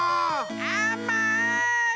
あまい！